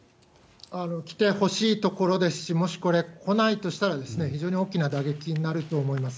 来てほしいところですし、もしこれ、来ないとしたら非常に大きな打撃になると思います。